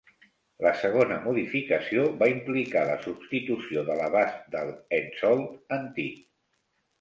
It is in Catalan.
La segona modificació va implicar la substitució de l'abast del Hensoldt antic.